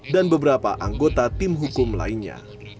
dan beberapa anggota tim hukum lainnya